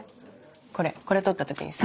これこれ撮った時にさ